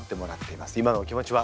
今のお気持ちは？